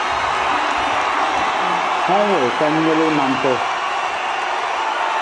Hang wii ka nalu nanta.